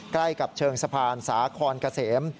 ใกล้กับเชิงสะพานสาคอนเกษม